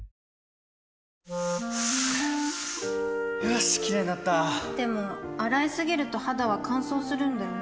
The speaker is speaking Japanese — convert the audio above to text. よしキレイになったでも、洗いすぎると肌は乾燥するんだよね